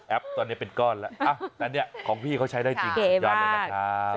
ตอนนี้เป็นก้อนแล้วแต่เนี่ยของพี่เขาใช้ได้จริงสุดยอดเลยนะครับ